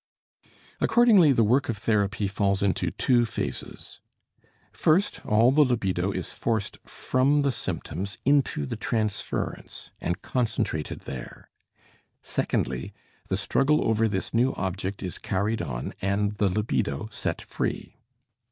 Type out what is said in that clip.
Accordingly the work of therapy falls into two phases: first, all the libido is forced from the symptoms into the transference, and concentrated there; secondly, the struggle over this new object is carried on and the libido set free.